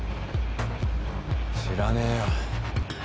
知らねえよ。